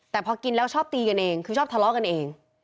แต่พอกินแล้วชอบตีกันเองคือชอบทะเลาะกันเอง